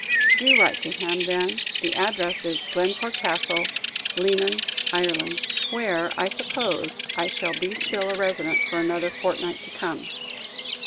Do write to him, then; the address is "Glencore Castle, Leenane, Ireland," where, I suppose, I shall be still a resident for another fortnight to come.